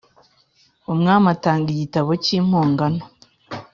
Umwami atanga igitabo cy'impongano